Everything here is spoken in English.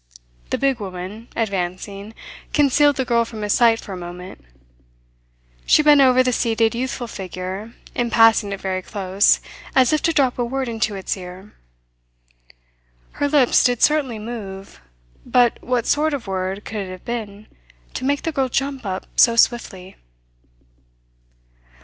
The big woman, advancing, concealed the girl from his sight for a moment. She bent over the seated youthful figure, in passing it very close, as if to drop a word into its ear. Her lips did certainly move. But what sort of word could it have been to make the girl jump up so swiftly?